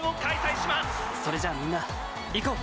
瞬：それじゃあみんな、いこう！